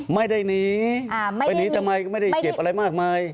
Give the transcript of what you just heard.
ไม่ได้หนีไปหนีจะไม่ไปหยิบอะไรมาทำไม